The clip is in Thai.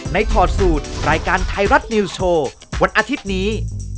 ถอดสูตรรายการไทยรัฐนิวส์โชว์วันอาทิตย์นี้